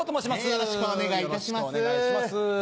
よろしくお願いします。